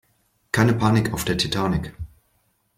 Keine Panik auf der Titanic!